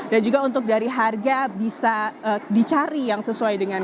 dan juga untuk dari harga bisa dicari yang sesuai dengan